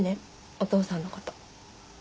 お父さんのこと。